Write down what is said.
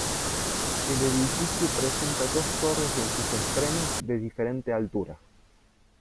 El edificio presenta dos torres en sus extremos de diferente altura.